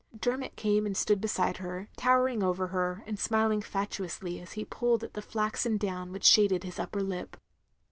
" Dermot came and stood beside her, towering over her, and smiling fatuously as he pulled at the flaxen down which shaded his upper lip.